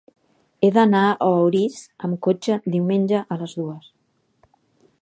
He d'anar a Orís amb cotxe diumenge a les dues.